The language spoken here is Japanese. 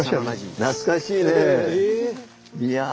懐かしいね！